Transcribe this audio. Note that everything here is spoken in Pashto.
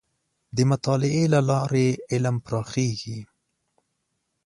د مطالعې له لارې علم پراخېږي.